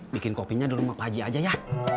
bikin kopinya dulu pak haji aja ya